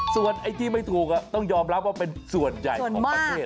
ส่วนไอ้ที่ไม่ถูกต้องยอมรับว่าเป็นส่วนใหญ่ของประเทศ